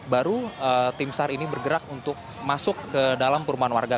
baru tim sar ini bergerak untuk masuk ke dalam perumahan warga